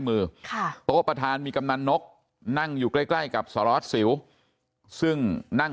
มือโต๊ะประธานมีกำลังนกนั่งอยู่ใกล้กับสล็อตสิวซึ่งนั่ง